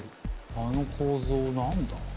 あの構造何だ？